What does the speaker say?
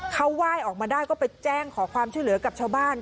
เขาไหว้ออกมาได้ก็ไปแจ้งขอความช่วยเหลือกับชาวบ้าน